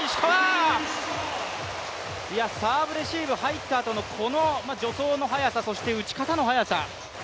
サーブレシーブ入ったあとのこの助走の速さ、そして打ち方の速さ。